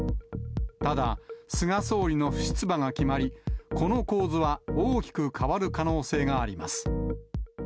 ただ、菅総理の不出馬が決まり、この構図は大きく変わる可能性があります。